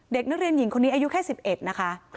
เด็กนักเรียนหญิงคนนี้อายุแค่๑๑นะคะ